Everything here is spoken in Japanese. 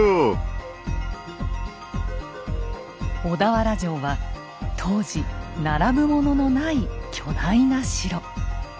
小田原城は当時並ぶもののない巨大な城。